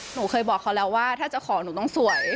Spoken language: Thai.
หนูเคยบอกเขาแล้วว่าถ้าเจ้าของหนูต้องสวย